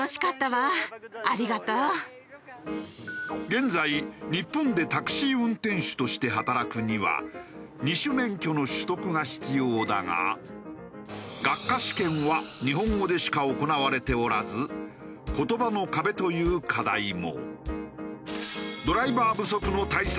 現在日本でタクシー運転手として働くには二種免許の取得が必要だが学科試験は日本語でしか行われておらず言葉の壁という課題も。